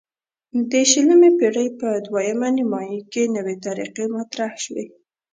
د شلمې پیړۍ په دویمه نیمایي کې نوې طریقې مطرح شوې.